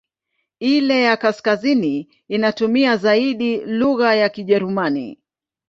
Ile ya kaskazini inatumia zaidi lugha ya Kijerumani.